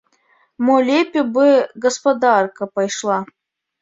Мо лепей бы гаспадарка пайшла?